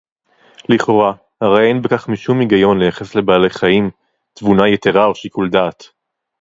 לִכְאוֹרָה, הֲרֵי אֵין בְּכָךְ מִשּׁוּם הִגָּיוֹן לְיַחֵס לְבַעַל־חַיִּים תְּבוּנָה יְתֵרָה אוֹ שִׁקּוּל־דַּעַת.